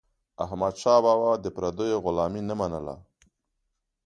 احمدشاه بابا د پردیو غلامي نه منله.